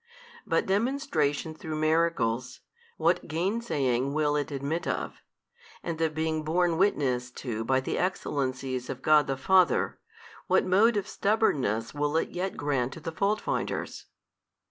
But demonstration through miracles, what gainsaying will it admit of; and the being borne witness to by the Excellencies of God the Father, what mode of stubbornness will it yet grant to the faultfinders?